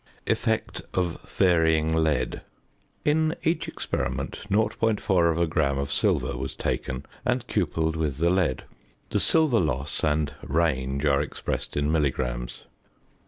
~Effect of Varying Lead.~ In each experiment 0.4 gram of silver was taken and cupelled with the lead. The silver loss and "range" are expressed in milligrams.